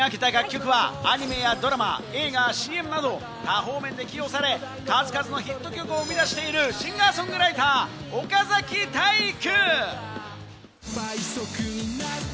手がけた楽曲はアニメやドラマ、映画、ＣＭなど多方面で起用され、数々のヒット曲を生み出しているシンガー・ソングライター、岡崎体育。